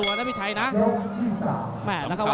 หัวจิตหัวใจไม่กลัวแล้วพี่ชัยนะ